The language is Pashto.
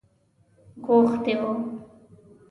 غوښتی وو.